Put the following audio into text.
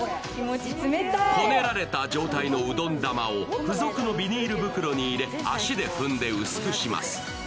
こねられた状態のうどん玉を付属のビニール袋に入れ足で踏んで薄くします。